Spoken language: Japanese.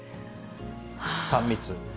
３密。